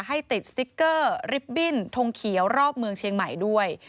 ให้ติดสติ๊กเกอร์ริบบิ้นทงเขียวรอบเมืองเชียงใหม่ด้วย